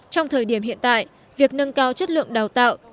trong thời điểm hiện tại việc nâng cao chất lượng đào tạo